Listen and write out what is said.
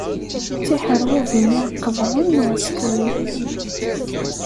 D tiḥerbunin iqeḍɛen n uɛeskriw.